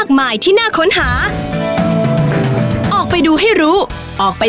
ขอบคุณค่ะ